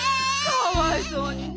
かわいそうにね。